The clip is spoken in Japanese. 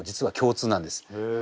へえ。